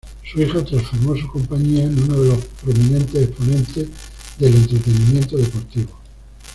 Su hijo transformó su compañía en uno de los prominentes exponentes del entretenimiento deportivo.